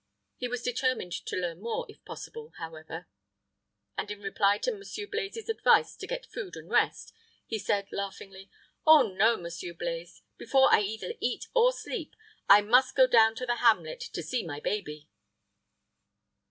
He was determined to learn more, if possible, however; and, in reply to Monsieur Blaize's advice to get food and rest, he said, laughingly, "Oh no, Monsieur Blaize, before I either eat or sleep, I must go down to the hamlet, to see my baby."